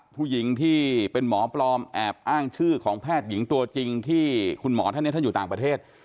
ผู้หญิงที่เป็นหมอปลอมแอบอ้างชื่อของแพทย์หญิงตัวจริงที่คุณหมอท่านนี้ท่านอยู่ต่างประเทศ